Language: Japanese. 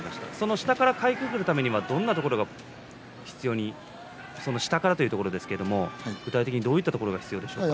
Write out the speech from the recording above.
下からかいくぐるためにはどんなところが必要に下からというところですけど具体的にどういったことが必要ですか？